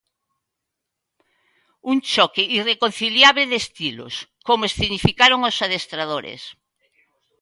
Un choque irreconciliable de estilos, como escenificaron os adestradores.